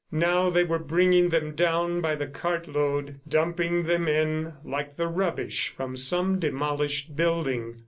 Now they were bringing them down by the cartload, dumping them in like the rubbish from some demolished building.